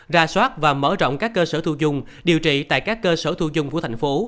ra soát và mở rộng các cơ sở thu dung điều trị tại các cơ sở thu chung của thành phố